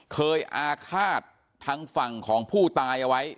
อาฆาตทางฝั่งของผู้ตายเอาไว้